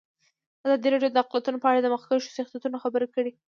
ازادي راډیو د اقلیتونه په اړه د مخکښو شخصیتونو خبرې خپرې کړي.